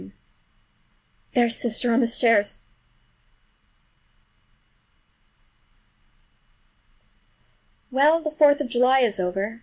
There's sister on the stairs! Well, the Fourth of July is over!